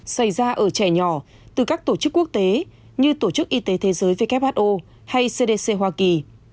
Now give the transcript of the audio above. xảy ra ở trẻ nhỏ từ các tổ chức quốc tế như tổ chức y tế thế giới who hay cdc hoa kỳ